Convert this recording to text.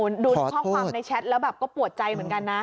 ดูข้อความในแชทแล้วแบบก็ปวดใจเหมือนกันนะ